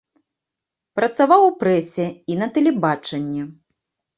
Працаваў у прэсе і на тэлебачанні.